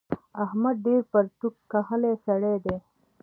احمد ډېر پرتوګ کښلی سړی دی.